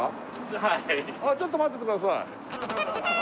ちょっと待っててください